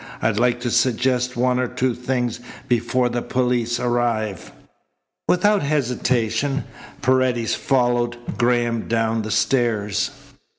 I'd like to suggest one or two things before the police arrive." Without hesitation Paredes followed Graham down the stairs.